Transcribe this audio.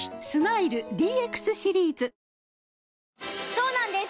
そうなんです